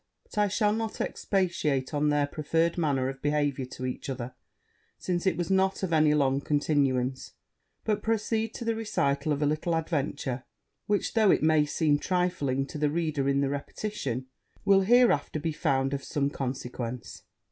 But I shall not expatiate on their present manner of behaviour to each other, since it was not of any long continuance, but proceed to the recital of a little adventure, which, though it may seem trifling to the reader in the repetition, will hereafter be found of some consequence.